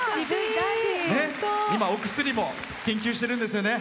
今、お薬も研究してるんですよね。